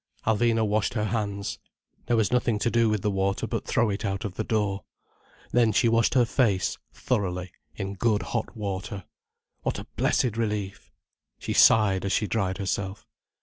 Alvina washed her hands. There was nothing to do with the water but throw it out of the door. Then she washed her face, thoroughly, in good hot water. What a blessed relief! She sighed as she dried herself.